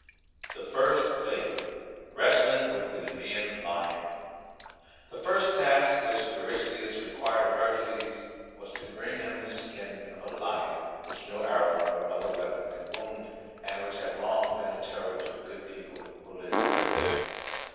THE FIRST LABOUR WRESTLING WITH THE NEMEAN LION The first task which Eurystheus required of Hercules was to bring him the skin of a lion which no arrow nor other weapon could wound, and which had long been a terror to the good people who lived in Nemea.